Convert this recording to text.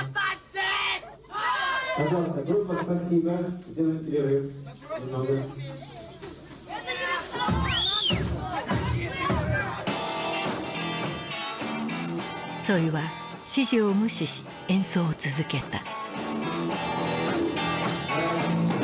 ツォイは指示を無視し演奏を続けた。